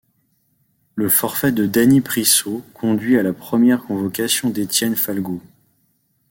Le forfait de Dany Priso conduit à la première convocation d'Étienne Falgoux.